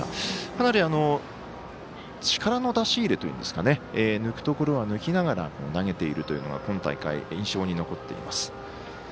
かなり力の出し入れといいますか抜くところは抜きながら投げているというのが今大会印象に残っています。